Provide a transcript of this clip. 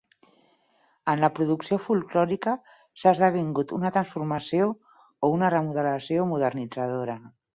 En la producció folklòrica s'ha esdevingut una transformació o una remodelació modernitzadora.